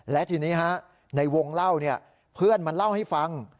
และทีนี้ในวงเล่าเพื่อนมาเล่าให้ฟัง